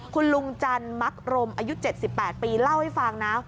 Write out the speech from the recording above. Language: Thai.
คุณลุงจันมักรมอายุ๗๘ปีเล่าให้ฟังนะ